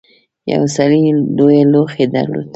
یو سړي دوه لوښي درلودل.